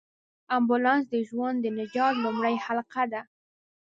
امبولانس د ژوند د نجات لومړۍ حلقه ده.